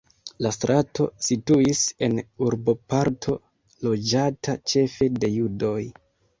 La strato situis en urboparto loĝata ĉefe de judoj.